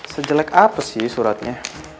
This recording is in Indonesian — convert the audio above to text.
sejelek apa sih suratnya